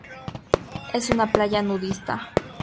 Es una playa nudista.